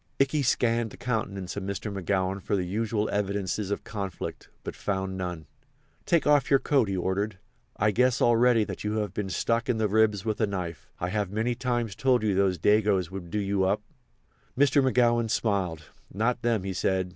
Ikey scanned the countenance of Mr. McGowan for the usual evidences of conflict, but found none. "Take your coat off," he ordered. "I guess already that you have been stuck in the ribs with a knife. I have many times told you those Dagoes would do you up." Mr. McGowan smiled. "Not them," he said.